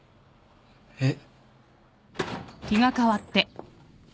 えっ？